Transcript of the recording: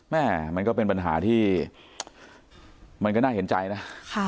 แม่มันก็เป็นปัญหาที่มันก็น่าเห็นใจนะ